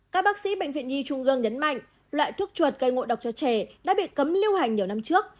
các bác sĩ bệnh viện nhi trung gương nhấn mạnh loại thuốc chuột gây ngộ độc cho trẻ đã bị cấm lưu hành nhiều năm trước